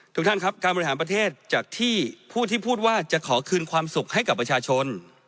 ทุกท่านครับการบริหารประเทศจากที่ผู้ที่พูดว่าจะขอคืนความสุขให้กับประชาชน